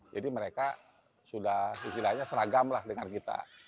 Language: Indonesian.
jadi mereka sudah istilahnya seragam lah dengan kita